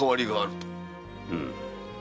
うん。